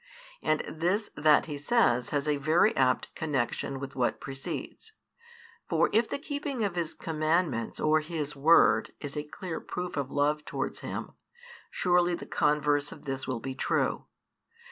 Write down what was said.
And this that He says has a very apt connexion with what precedes. For, if the keeping of His commandments or His Word is a clear proof of love towards Him, surely the converse of this will be true.